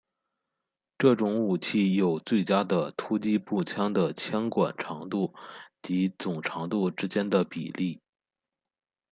这种武器有最佳的突击步枪的枪管长度及总长度之间的比例。